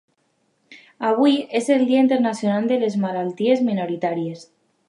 Avui és el dia internacional de les malalties minoritàries.